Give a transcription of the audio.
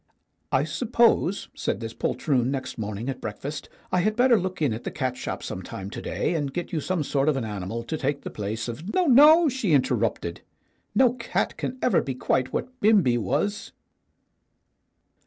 "I suppose," said this poltroon next morning at breakfast, "I had better look in at the cat shop some time to day, and get you some sort of an animal to take the place of " 86 STORIES WITHOUT TEARS "No, no!" she interrupted. "No cat can ever be quite what Bimbi was."